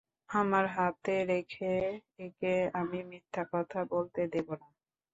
আমার হাতে রেখে একে আমি মিথ্যে কথা বলতে দেব না।